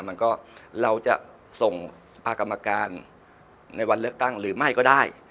มันก็เราจะส่งภาคกรรมการในวันเลือกตั้งหรือไม่ก็ได้